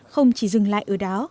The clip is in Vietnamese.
không chỉ dừng lại ở đó